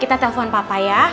kita telepon papa ya